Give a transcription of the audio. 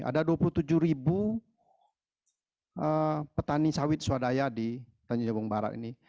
ada dua puluh tujuh ribu petani sawit swadaya di tanjung jabung barat ini